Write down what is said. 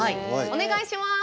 お願いします。